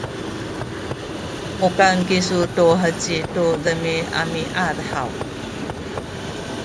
mukan kisu tu heci tu demiamiad haw?